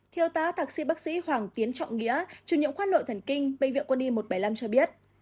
theo tác sĩ bác sĩ hoàng tiến trọng nghĩa chủ nhiệm khoan nội thần kinh bệnh viện quân y một trăm bảy mươi năm cho biết